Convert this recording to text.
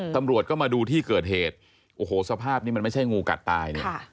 ตำรวจก็มาดูที่เกิดเหตุโอ้โหสภาพนี้มันไม่ใช่งูกัดตายเลย